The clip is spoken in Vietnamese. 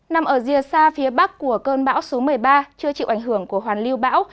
nằm ở rìa xa phía bắc của cơn bão số một mươi ba chưa chịu ảnh hưởng của hoàn lưu bão